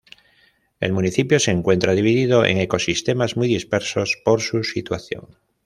El municipio se encuentra dividido en ecosistemas muy dispersos por su situación.